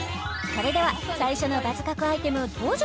それでは最初のバズ確アイテム登場！